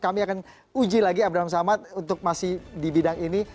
kami akan uji lagi abraham samad untuk masih di bidang ini